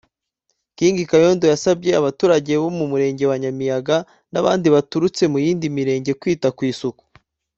King Kayondo yasabye abaturage bo mu Murenge wa Nyamiyaga n’abandi baturutse mu yindi mirenge kwita ku isuku